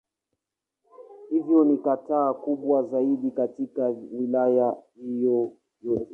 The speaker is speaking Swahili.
Hivyo ni kata kubwa zaidi katika Wilaya hiyo yote.